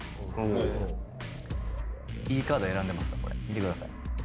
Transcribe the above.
おーいいカード選んでますわこれ見てください